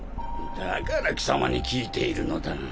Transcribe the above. だから貴様に聞いているのだ。